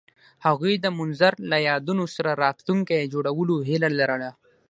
هغوی د منظر له یادونو سره راتلونکی جوړولو هیله لرله.